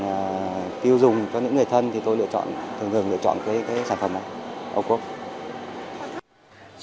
rồi hàng tiêu dùng cho những người thân thì tôi lựa chọn thường gương le chọn cái cái sản phẩm aoco oops